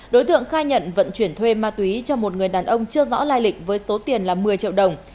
đối tượng khai nhận vận chuyển thuê ma túy cho một người đàn ông chưa rõ lai lịch với số tiền là một mươi triệu đồng